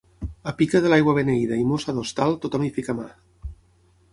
A pica de l'aigua beneita i mossa d'hostal, tothom hi fica mà.